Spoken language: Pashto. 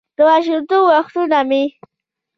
«د ماشومتوب وختونه مې: